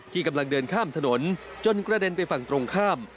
กำลังเดินข้ามถนนจนกระเด็นไปฝั่งตรงข้าม